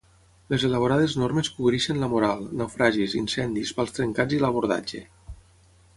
Les elaborades normes cobreixen la moral, naufragis, incendis, pals trencats i l'abordatge.